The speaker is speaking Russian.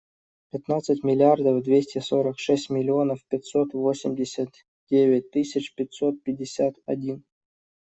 Пятнадцать миллиардов двести сорок шесть миллионов пятьсот восемьдесят девять тысяч пятьсот пятьдесят один.